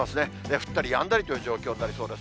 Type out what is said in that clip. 降ったりやんだりという状況になりそうです。